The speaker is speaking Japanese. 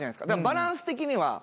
バランス的にはもう。